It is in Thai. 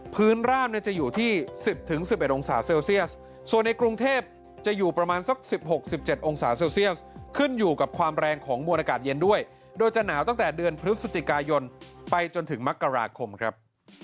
ร่ามจะอยู่ที่๑๐๑๑องศาเซลเซียสส่วนในกรุงเทพจะอยู่ประมาณสัก๑๖๑๗องศาเซลเซียสขึ้นอยู่กับความแรงของมวลอากาศเย็นด้วยโดยจะหนาวตั้งแต่เดือนพฤศจิกายนไปจนถึงมกราคมครับ